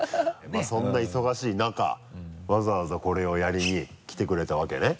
まぁそんな忙しい中わざわざこれをやりに来てくれたわけね。